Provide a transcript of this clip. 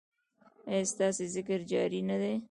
ایا ستاسو ذکر جاری نه دی؟